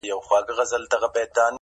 سړی چي مړسي ارمانونه يې دلېپاتهسي,